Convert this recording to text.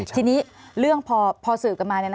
ทีนี้เรื่องพอสืบกันมา